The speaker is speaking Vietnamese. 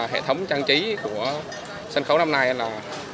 hệ thống trang trí của sân khấu năm nay là